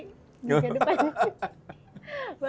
jangan ke depan